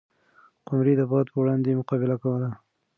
قمري د باد په وړاندې مقابله کوله.